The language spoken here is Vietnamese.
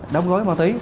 đóng gói máu tí